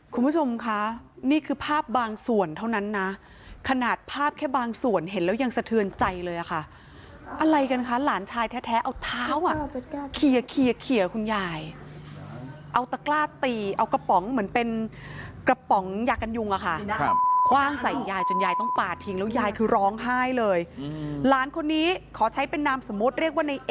คุณผู้ชมคะนี่คือภาพบางส่วนเท่านั้นนะขนาดภาพแค่บางส่วนเห็นแล้วยังสะเทือนใจเลยอะค่ะอะไรกันคะหลานชายแท้เอาเท้าอ่ะเคลียร์คุณยายเอาตะกล้าตีเอากระป๋องเหมือนเป็นกระป๋องยากันยุงอะค่ะคว่างใส่ยายจนยายต้องปาดทิ้งแล้วยายคือร้องไห้เลยหลานคนนี้ขอใช้เป็นนามสมมุติเรียกว่าในเอ